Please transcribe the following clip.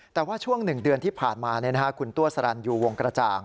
แต่ว่าช่วง๑เดือนที่ผ่านมาคุณตัวสรรยูวงกระจ่าง